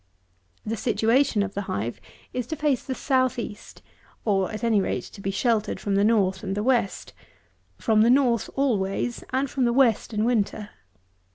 The situation of the hive is to face the South east; or, at any rate, to be sheltered from the North and the West. From the North always, and from the West in winter.